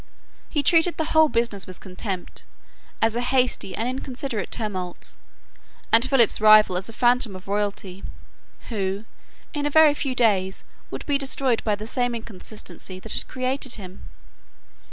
He treated the whole business with contempt, as a hasty and inconsiderate tumult, and Philip's rival as a phantom of royalty, who in a very few days would be destroyed by the same inconstancy that had created him.